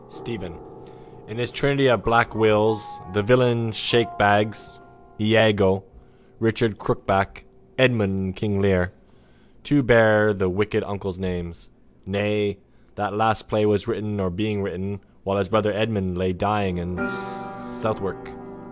STEPHEN: In his trinity of black Wills, the villain shakebags, Iago, Richard Crookback, Edmund in King Lear, two bear the wicked uncles' names. Nay, that last play was written or being written while his brother Edmund lay dying in Southwark.